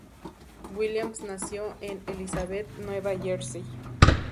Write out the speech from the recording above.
Williams nació en Elizabeth, Nueva Jersey.